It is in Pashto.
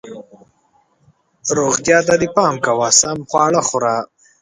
روغتیا ته دې پام کوه ، سم خواړه خوره